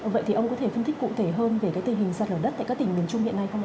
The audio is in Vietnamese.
vậy thì ông có thể phân tích cụ thể hơn về cái tình hình sạt lở đất tại các tỉnh miền trung hiện nay không ạ